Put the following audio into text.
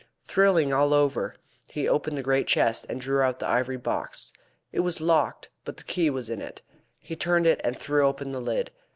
Thrilling all over, he opened the great chest, and drew out the ivory box. It was locked, but the key was in it. He turned it and threw open the lid.